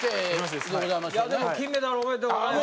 でも金メダルおめでとうございます。